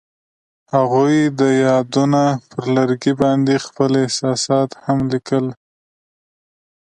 هغوی د یادونه پر لرګي باندې خپل احساسات هم لیکل.